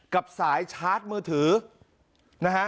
กับสายชาร์จมือถือนะฮะ